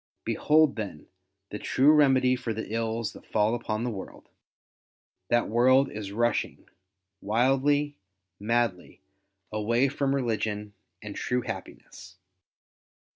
Behold, then, the true remedy for the ills that fall upon the world. That world is rushing wildly, madly, away from religion and true happiness.